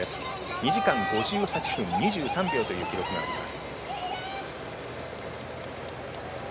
２時間５８分２３秒という記録があります。